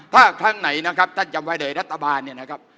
ถ้าครั้งไหนนะครับท่านจำไว้เลยรัฐบาลเนี่ยนะครับ